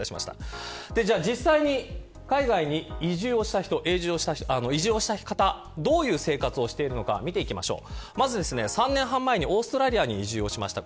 実際に海外に移住をした方どういう生活をしているのか見ていきましょう。